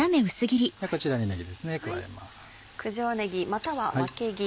こちらにねぎですね加えます。